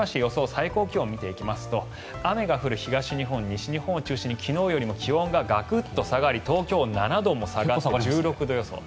最高気温を見ていきますと雨が降る東日本、西日本を中心に昨日よりも気温がガクッと下がり東京、７度も下がり１６度予想。